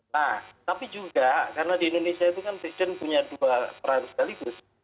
nah tapi juga karena di indonesia itu kan presiden punya dua peran sekaligus